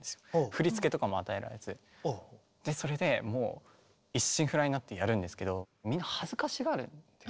それでもう一心不乱になってやるんですけどみんな恥ずかしがるんですよ。